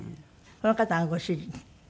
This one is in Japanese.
この方がご主人。